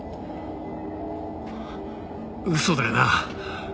嘘だよな？